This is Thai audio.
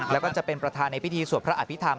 แล้วก็จะเป็นประธานในพิธีสวดพระอภิษฐรร